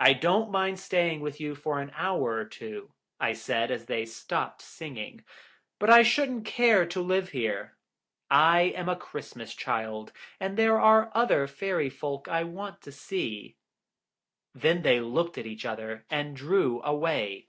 "I don't mind staying with you for an hour or two," I said, as they stopped singing, "but I shouldn't care to live here. I am a Christmas Child, and there are other Fairy Folk I want to see." Then they looked at each other, and drew away.